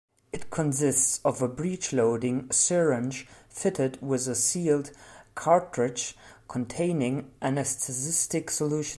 It consists of a breech-loading syringe fitted with a sealed cartridge containing anesthetic solution.